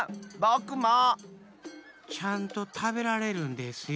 ちゃんとたべられるんですよ。